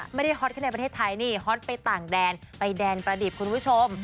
ฮอตแค่ในประเทศไทยนี่ฮอตไปต่างแดนไปแดนประดิษฐ์คุณผู้ชม